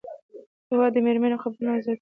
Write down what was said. هېواد د میړنیو قبرو عزت دی.